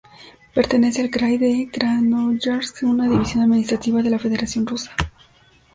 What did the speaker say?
Pertenece al Krai de Krasnoyarsk una división administrativa de la Federación Rusa.